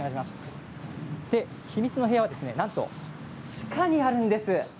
秘密の部屋はなんと地下にあるんです。